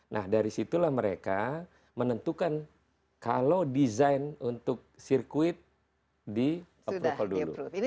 nah dari situlah mereka menentukan kalau desain untuk sirkuit di approval dulu